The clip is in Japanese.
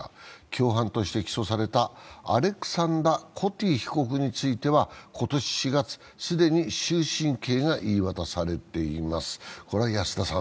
共犯として起訴されたアレクサンダ・コティ被告については今年４月、既に終身刑が言い渡されています。